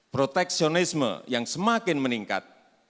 proteksionisme yang semakin meningkat